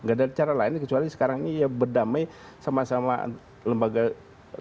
gak ada cara lain kecuali sekarang ini ya berdamai sama sama lembaga negara